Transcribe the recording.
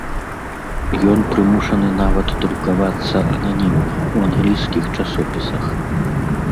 Ён прымушаны нават друкавацца ананімна, у англійскіх часопісах.